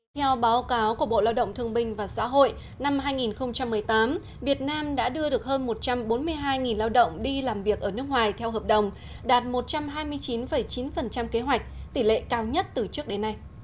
theo báo cáo của bộ lao động thương binh và xã hội năm hai nghìn một mươi tám việt nam đã đưa được hơn một trăm bốn mươi hai lao động đi làm việc ở nước ngoài theo hợp đồng đạt một trăm hai mươi chín chín kế hoạch tỷ lệ cao nhất từ trước đến nay